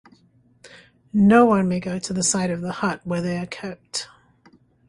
No one may go to the side of the hut where they are kept.